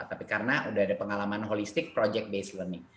tapi karena sudah ada pengalaman holistik project based learning